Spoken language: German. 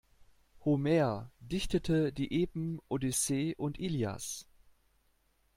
Homer dichtete die Epen Odyssee und Ilias.